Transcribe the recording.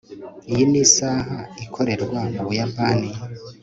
iyi ni isaha ikorerwa mu buyapani